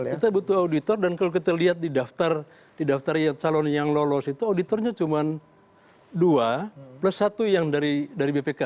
kita butuh auditor dan kalau kita lihat di daftar calon yang lolos itu auditornya cuma dua plus satu yang dari bpk